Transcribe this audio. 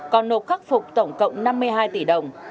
còn nộp khắc phục tổng cộng năm mươi hai tỷ đồng